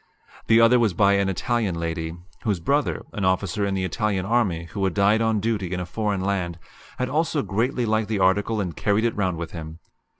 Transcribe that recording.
The other was by an Italian lady, whose brother, an officer in the Italian army who had died on duty in a foreign land, had also greatly liked the article and carried it round with him.